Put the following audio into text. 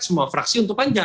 semua fraksi untuk panja